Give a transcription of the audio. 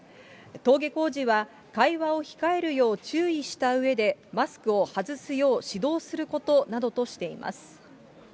登下校時は、会話を控えるよう注意したうえで、マスクを外すよう指導することなどとしています。